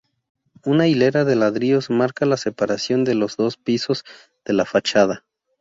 Una hilera de ladrillos marca la separación de los dos pisos de la fachada.